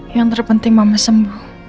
yang terpenting mama sembuh